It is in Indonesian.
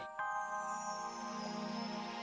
nanti aku mau ketemu sama dia